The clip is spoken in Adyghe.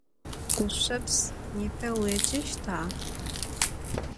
Guşşeps, nêpe vuêceşta?